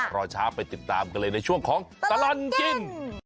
รอช้าไปติดตามกันเลยในช่วงของตลอดกิน